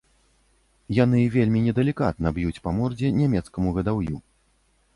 Яны вельмі недалікатна б'юць па мордзе нямецкаму гадаўю.